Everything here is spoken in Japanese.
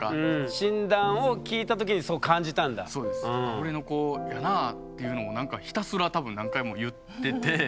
「俺の子やなぁ」っていうのをなんかひたすら多分何回も言ってて。